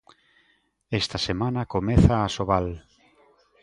Esta semana comeza a Asobal.